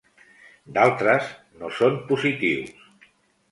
D’altres, no són positius.